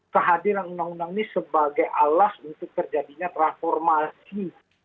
kehadiran undang undang ini sebagai alas untuk terjadinya transformasi